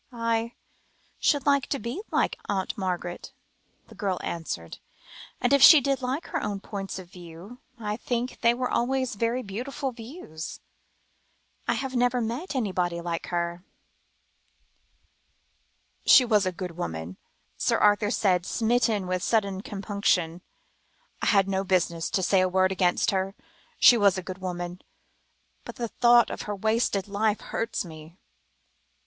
"I should like to be like Aunt Margaret," the girl answered; "and if she did like her own points of view, I think they were always very beautiful views. I have never met anybody like her." "She was a good woman," Sir Arthur said, smitten with sudden compunction. "I had no business to say a word against her; she was a good woman, but the thought of her wasted life hurts me."